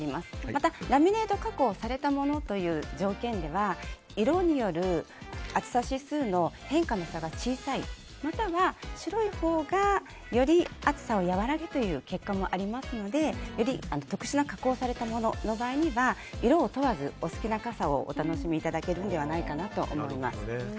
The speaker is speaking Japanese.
また、ラミネート加工をされたものという条件では色による暑さ指数の変化の差が小さいまたは白いほうがより暑さを和らげるという結果もありますのでより特殊な加工されたものの場合には色を問わずお好きな傘をお楽しみいただけるのではないかなと思います。